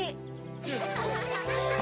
アハハハ。